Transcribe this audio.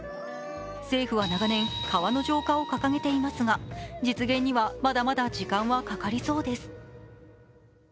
政府は長年、川の浄化を掲げていますが実現にはまだまだ時間はかかりそうです。